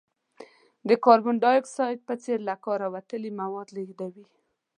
د کاربن ډای اکساید په څېر له کاره وتلي مواد لیږدوي.